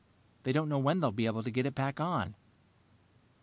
They don't know when they'll be able to get it back on."